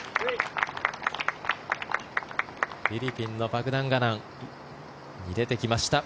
フィリピンのパグダンガナン入れてきました。